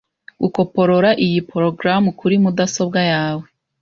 Gukoporora iyi porogaramu kuri mudasobwa yawe.